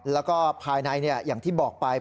แล้วก็ภายในอย่างที่บอกไป